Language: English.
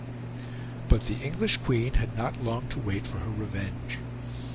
But the English Queen had not long to wait for her revenge.